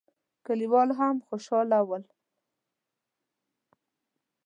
کليوال هم خوشاله ول.